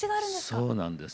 そうなんです。